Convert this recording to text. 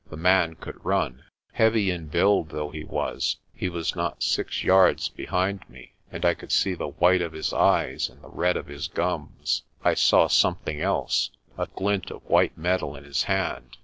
The man could run. Heavy in build though he was he was not six yards behind me, and I could see the white of his eyes and the red of his gums. I saw something else a glint of white metal in his hand.